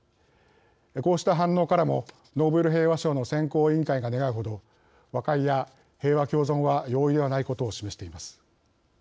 こうした反応からもノーベル平和賞の選考委員会が願うほど和解や平和共存は容易ではないことを示しています。